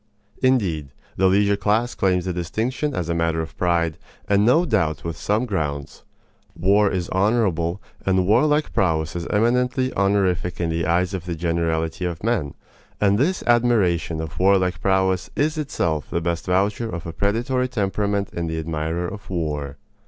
Indeed, the leisure class claims the distinction as a matter of pride, and no doubt with some grounds. War is honorable, and warlike prowess is eminently honorific in the eyes of the generality of men; and this admiration of warlike prowess is itself the best voucher of a predatory temperament in the admirer of war.